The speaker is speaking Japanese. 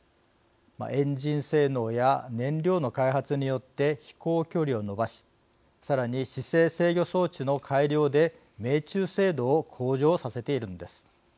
エンジン性能や燃料の開発によって飛行距離を伸ばしさらに姿勢制御装置の改良で命中精度を向上させているんです。